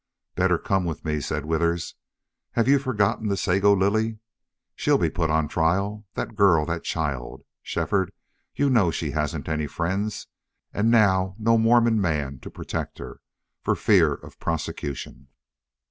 "Better come with me," said Withers. "Have you forgotten the Sago Lily? She'll be put on trial.... That girl that child!... Shefford, you know she hasn't any friends. And now no Mormon man are protect her, for fear of prosecution."